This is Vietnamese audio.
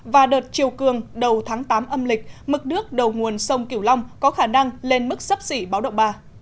và đợt chiều cường đầu tháng tám âm lịch mức nước đầu nguồn sông kiểu long có khả năng lên mức sấp xỉ báo động ba